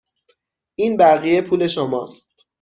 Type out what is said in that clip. این بقیه پول شما است.